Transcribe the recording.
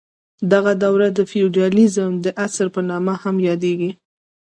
دغه دوره د فیوډالیزم د عصر په نامه هم یادیږي.